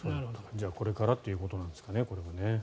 じゃあ、これからということなんですかね。